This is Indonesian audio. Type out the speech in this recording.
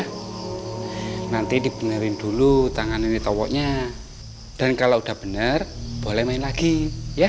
hai nanti dipenerin dulu tangan ini tokoknya dan kalau udah bener boleh main lagi ya